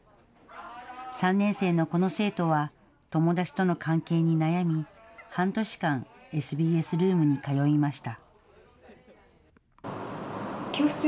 ３年生のこの生徒は、友達との関係に悩み、半年間、ＳＢＳルームに通いました。